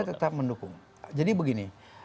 tetap mendukung jadi begini